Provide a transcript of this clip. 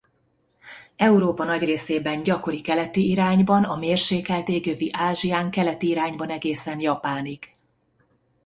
Európa nagy részében gyakori keleti irányban a mérsékelt égövi Ázsián keleti irányban egészen Japánig.